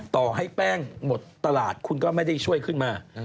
ต่อให้แป้งหมดตลาดคุณก็ไม่ได้ช่วยขึ้นมา